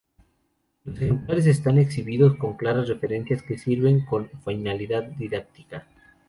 Los ejemplares están exhibidos con claras referencias, que sirven con finalidad didáctica.